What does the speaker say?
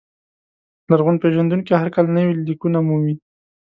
لرغون پېژندونکي هر کال نوي لیکونه مومي.